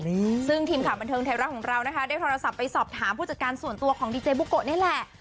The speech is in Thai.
นี่ซึ่งทีมข่าวบันเทิงไทยรัฐของเรานะคะได้โทรศัพท์ไปสอบถามผู้จัดการส่วนตัวของดีเจบุโกะนี่แหละ